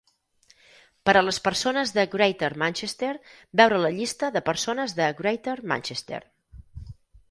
Per a les persones de Greater Manchester, veure la Llista de persones de Greater Manchester.